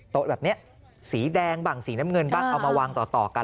แบบนี้สีแดงบ้างสีน้ำเงินบ้างเอามาวางต่อกัน